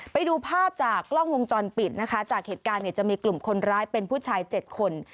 ไปดูภาพจากกล้องวงจรปิดนะคะจากเหตุการณ์เนี่ยจะมีกลุ่มคนร้ายเป็นผู้ชาย๗คน